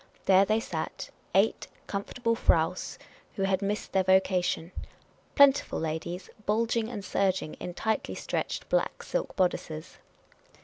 There they sat — eight comfortable fraus who had missed their vo cation ; plentiful ladies, bulging and surging in tightly stretched black silk bodices.